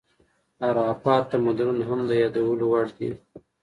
هاراپا تمدنونه هم د یادولو وړ دي.